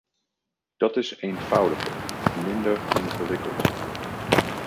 Dat is eenvoudiger, minder ingewikkeld.